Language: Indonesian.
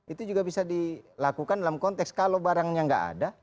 itu juga bisa dilakukan dalam konteks kalau barangnya nggak ada